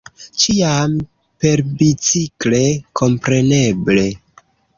Ĉiam perbicikle, kompreneble!